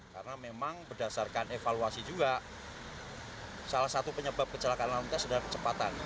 karena memang berdasarkan evaluasi juga salah satu penyebab kecelakaan lalu lintas adalah kecepatan